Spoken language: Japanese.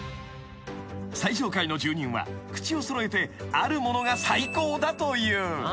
［最上階の住人は口を揃えてあるものが最高だという］